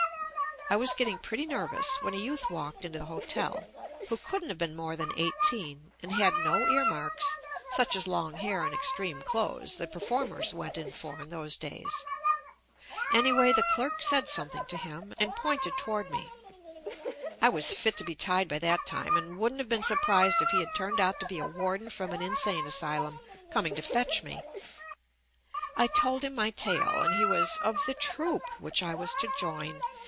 I was getting pretty nervous when a youth walked into the hotel, who couldn't have been more than eighteen and had no ear marks, such as long hair and extreme clothes that per formers went in for in those days. Anyway the clerk said something to him, and pointed JUST ME toward me. I was fit to be tied by that time, and wouldn't have been surprised if he had turned out to be a warden from an insane asylum, coming to fetch me. I told him my tale and he was "of the troupe" which I was to join.